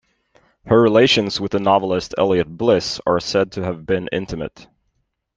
Her relations with the novelist Eliot Bliss are said to have been intimate.